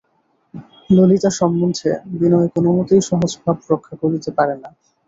ললিতা সম্বন্ধে বিনয় কোনোমতেই সহজ ভাব রক্ষা করিতে পারে না।